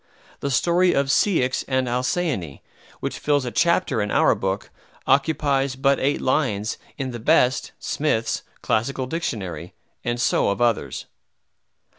The story of Ceyx and Halcyone, which fills a chapter in our book, occupies but eight lines in the best (Smith's) Classical Dictionary; and so of others.